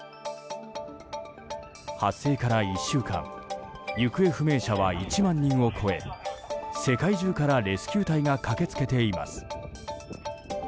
発生から１週間行方不明者は１万人を超え世界中からレスキュー隊が駆けつけています。